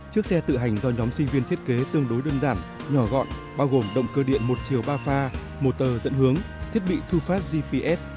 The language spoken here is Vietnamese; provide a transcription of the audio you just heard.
chiếc xe tự hành do nhóm sinh viên thiết kế tương đối đơn giản nhỏ gọn bao gồm động cơ điện một chiều ba pha mô tờ dẫn hướng thiết bị thu phát gps